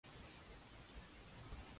Está declarado Monumento Histórico.